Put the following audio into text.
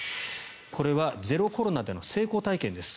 これはゼロコロナでの成功体験です。